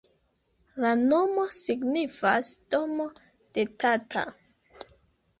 La nomo signifas domo de Tata.